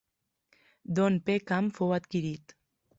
Don Peckham fou adquirit.